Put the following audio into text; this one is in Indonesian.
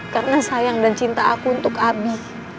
karena sayang dan cinta aku untuk abi